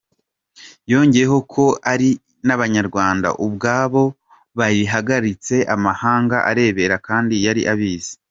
Yongeyeho ko ari n’Abanyarwanda ubwabo bayihagaritse amahanga arebera kandi yari abizi.